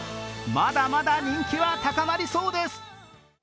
まだまだ人気は高まりそうです。